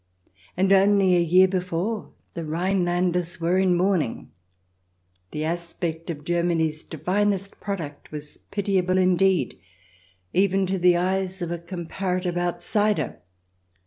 And only a year before the Rhinelanders were in mourning. The aspect of Germany's divinest product was pitiable indeed, even to the eyes of a comparative outsider.